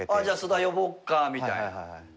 じゃあ菅田呼ぼっかみたいな。